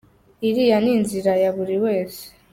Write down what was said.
Iriya ni inzira ya buri wese.